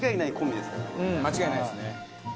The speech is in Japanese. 間違いないですね。